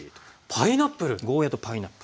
パイナップル⁉ゴーヤーとパイナップル。